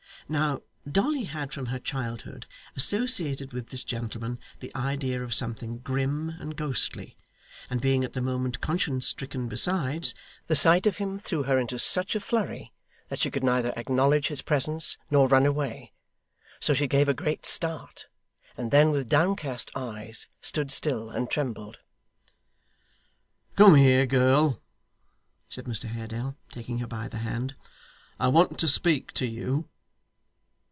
Now, Dolly had from her childhood associated with this gentleman the idea of something grim and ghostly, and being at the moment conscience stricken besides, the sight of him threw her into such a flurry that she could neither acknowledge his presence nor run away, so she gave a great start, and then with downcast eyes stood still and trembled. 'Come here, girl,' said Mr Haredale, taking her by the hand. 'I want to speak to you.